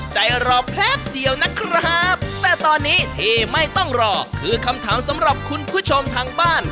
ใจรอแป๊บเดียวนะครับแต่ตอนนี้ที่ไม่ต้องรอคือคำถามสำหรับคุณผู้ชมทางบ้าน